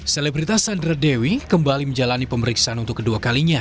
selebritas sandra dewi kembali menjalani pemeriksaan untuk kedua kalinya